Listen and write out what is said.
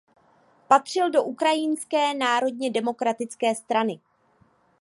Patřil do Ukrajinské národně demokratické strany.